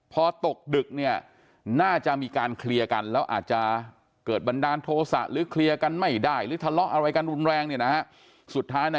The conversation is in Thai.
พอตกดึกเนี่ยน่าจะมีการเคลียร์กัน